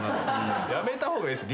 やめた方がいいっす。